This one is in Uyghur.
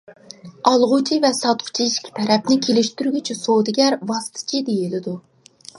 ئالغۇچى ۋە ساتقۇچى ئىككى تەرەپنى كېلىشتۈرگۈچى سودىگەر ۋاسىتىچى دېيىلىدۇ.